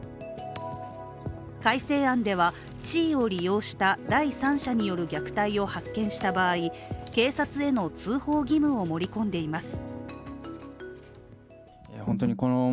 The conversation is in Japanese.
改正案では、地位を利用した第三者による虐待を発見した場合、警察への通報義務を盛り込んでいます。